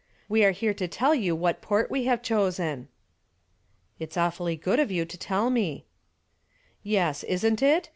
"We are here to tell you what port we have chosen." "It's awfully good of you to tell me." "Yes, isn't it?